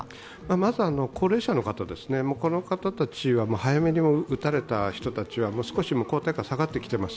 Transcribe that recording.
まず高齢者の方は早めに打たれた人たちは少し抗体価が下がってきています。